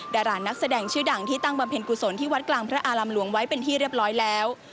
ดารานักแสดงชื่อดังที่ตั้งบำเพ็ญกุศลที่วัดกลางพระอารามหลวงไว้เป็นที่เรียบร้อยแล้ว